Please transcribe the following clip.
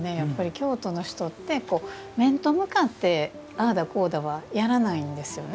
京都の人って面と向かってああだこうだはやらないんですよね。